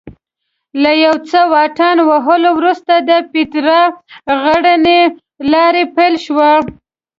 له یو څه واټن وهلو وروسته د پیترا غرنۍ لاره پیل شوه.